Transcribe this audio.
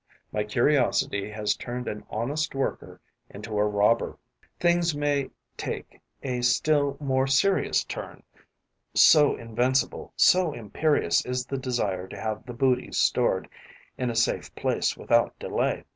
My curiosity has turned an honest worker into a robber. Things may take a still more serious turn, so invincible, so imperious is the desire to have the booty stored in a safe place without delay.